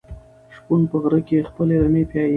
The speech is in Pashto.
شپون په غره کې خپلې رمې پيايي.